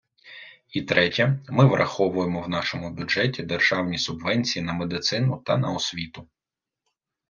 І третє, ми враховуємо в нашому бюджеті державні субвенції на медицину та на освіту.